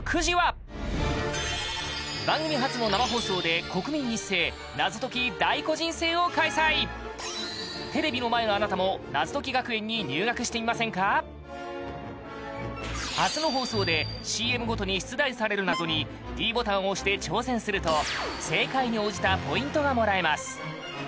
番組初の生放送で国民一斉謎解き大個人戦を開催テレビの前のあなたも謎解き学園に入学してみませんか明日の放送でＣＭごとに出題される謎にｄボタンを押して挑戦すると正解に応じたポイントがもらえます